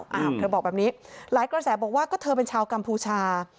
อ้าวเธอบอกแบบนี้หลายกระแสบอกว่าก็เธอเป็นชาวกัมพูชา